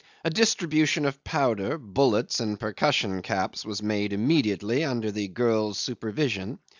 A distribution of powder, bullets, and percussion caps was made immediately under the girl's supervision.